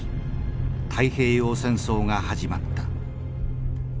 太平洋戦争が始まった。